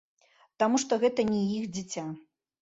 Таму што гэта не іх дзіця.